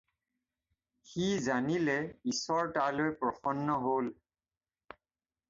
সি জানিলে ঈশ্বৰ তালৈ প্ৰসন্ন হ'ল।